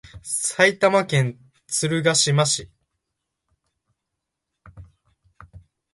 埼玉県鶴ヶ島市